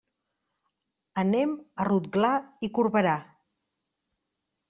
Anem a Rotglà i Corberà.